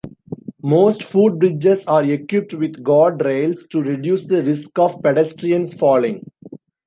Most footbridges are equipped with guard rails to reduce the risk of pedestrians falling.